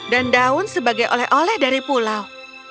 dan daun sebagai oleh oleh dari pulau